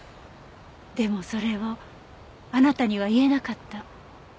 でもそれをあなたには言えなかった。